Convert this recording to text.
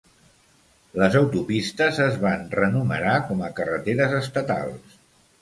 Les autopistes es van renumerar com a carreteres estatals.